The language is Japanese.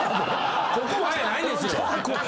「ここは？」やないんですよ！